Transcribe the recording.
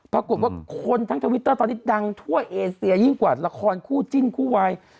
ปรากฏว่าคนทั้งทวิตเตอร์ตอนนี้ดังทั่วเอเซียยิ่งกว่าละครคู่จิ้นคู่วัย